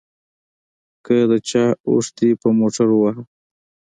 که د چا اوښ دې په موټر ووهه.